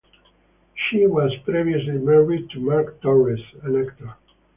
She was previously married to Mark Torres, an actor.